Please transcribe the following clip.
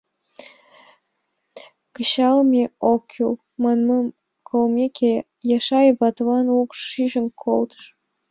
«Кычалме ок кӱл» манмым колмекше, Яшай ватылан луш чучын колтыш.